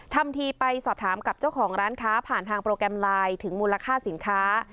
ทำทีไปสอบถามกับเจ้าของร้านค้าผ่านทางโปรแกรมไลน์ถึงมูลค่าสินค้า